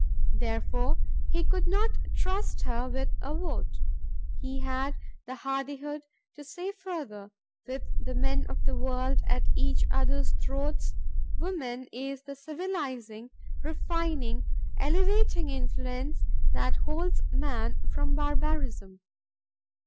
Therefore he could not trust her with a vote. He had the hardihood to say further, with the men of the world at each other's throats, ... "Woman is the civilizing, refining, elevating influence that holds man from barbarism."